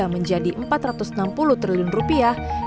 menjadi rp empat ratus enam puluh triliun